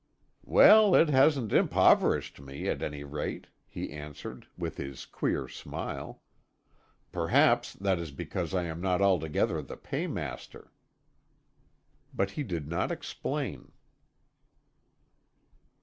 "Well, it hasn't impoverished me, at any rate," he answered, with his queer smile. "Perhaps that is because I am not altogether the paymaster." But he did not explain.